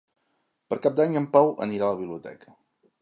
Per Cap d'Any en Pau anirà a la biblioteca.